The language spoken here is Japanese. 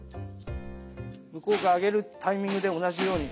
向こうが上げるタイミングで同じように。